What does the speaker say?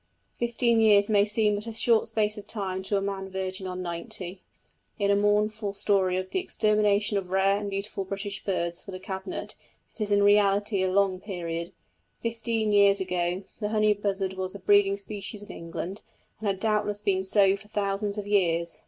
Fifteen years may seem but a short space of time to a man verging on ninety; in the mournful story of the extermination of rare and beautiful British birds for the cabinet it is in reality a long period. Fifteen years ago the honey buzzard was a breeding species in England, and had doubtless been so for thousands of years.